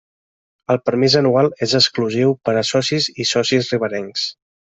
El permís anual és exclusiu per a socis i socis riberencs.